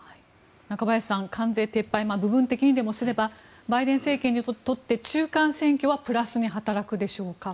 中林さん、関税撤廃部分的にでもすればバイデン政権にとって中間選挙はプラスに働くでしょうか。